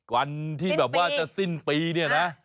วันที่แบบว่าจะสิ้นปีเนี่ยนะ